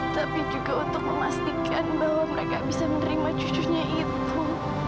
tapi juga untuk memastikan bahwa mereka bisa menerima cucunya itu